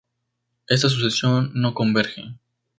Esta sucesión no converge.